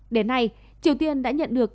đến nay triều tiên đã nhận được